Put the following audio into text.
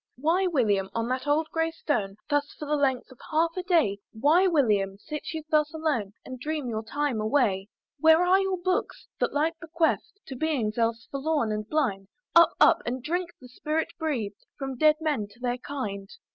"Why William, on that old grey stone, "Thus for the length of half a day, "Why William, sit you thus alone, "And dream your time away? "Where are your books? that light bequeath'd "To beings else forlorn and blind! "Up! Up! and drink the spirit breath'd "From dead men to their kind.